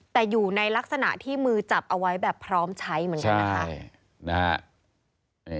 แต่อยู่ในลักษณะที่มือจับเอาไว้แบบพร้อมใช้เหมือนกันนะคะ